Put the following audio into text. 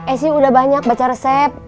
esy udah banyak baca resep